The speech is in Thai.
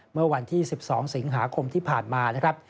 เมื่อวันที่๑๒สิงหาคมที่ผ่านมานะครับ